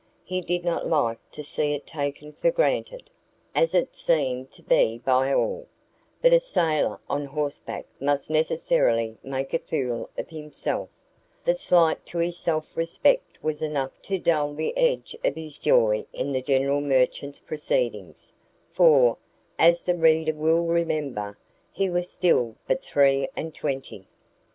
He did not like to see it taken for granted, as it seemed to be by all, that a sailor on horseback must necessarily make a fool of himself; the slight to his self respect was enough to dull the edge of his joy in the general merchant's proceedings for, as the reader will remember, he was still but three and twenty.